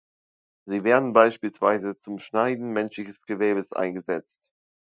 Sie werden beispielsweise zum Schneiden menschlichen Gewebes eingesetzt.